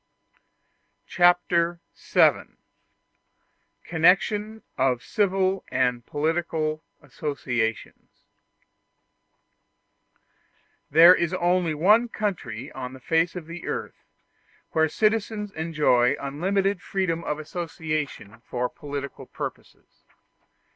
Chapter VII: Connection Of Civil And Political Associations There is only one country on the face of the earth where the citizens enjoy unlimited freedom of association for political purposes.